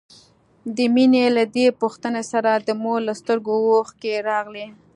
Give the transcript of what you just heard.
د مينې له دې پوښتنې سره د مور له سترګو اوښکې راغلې.